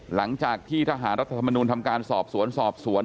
หลังจากที่ทหารรัฐธรรมนุนธรรมการสอบสวน